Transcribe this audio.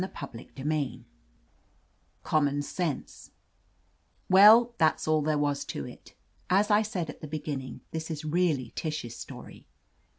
CHAPTER XVIII COMMON SENSE WELL, that's all there was to it. As I said at the beginning, this is really Tish's story.